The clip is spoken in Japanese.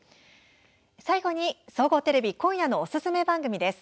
最後に、総合テレビ今夜のおすすめ番組です。